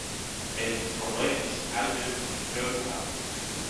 Een van de problemen is het uitdunnen van het kreupelhout.